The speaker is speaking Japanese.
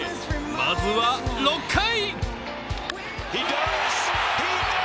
まずは６回。